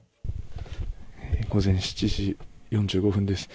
午前７時４５分です。